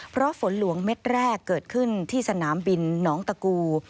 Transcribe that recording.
เพราะฝนหลวงเม็ดแรกเกิดขึ้นที่สนามบินหนองตะกู